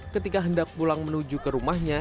ketika hendak pulang menuju ke rumahnya